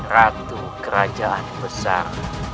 ratu kerajaan besar